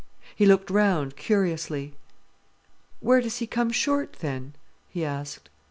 He looked round curiously. "Where does he come short, then?" he asked.